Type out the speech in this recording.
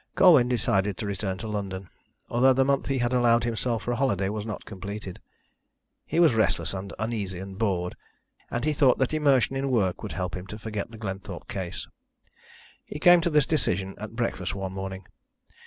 Colwyn decided to return to London, although the month he had allowed himself for a holiday was not completed. He was restless and uneasy and bored, and he thought that immersion in work would help him to forget the Glenthorpe case. He came to this decision at breakfast one morning.